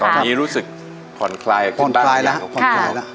ตอนนี้รู้สึกผ่อนคลายขึ้นตั้งอย่างของคน